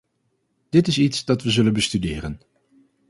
Dit is iets dat we zullen bestuderen.